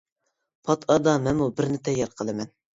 پات ئارىدا مەنمۇ بىرنى تەييار قىلىمەن.